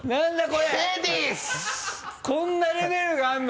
こんなレベルがあるの？